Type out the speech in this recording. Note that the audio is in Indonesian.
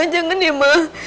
jangan ya ma